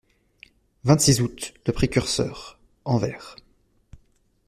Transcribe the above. vingt-six août., Le Précurseur (Anvers).